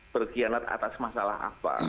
perkhianat atas masalah apa